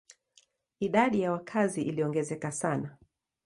Idadi ya wakazi iliongezeka sana.